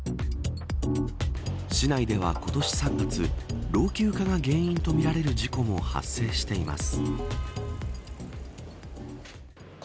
市内では今年３月老朽化が原因とみられる事故も発生しています。